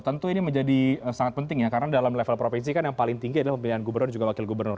tentu ini menjadi sangat penting ya karena dalam level provinsi kan yang paling tinggi adalah pemilihan gubernur dan juga wakil gubernur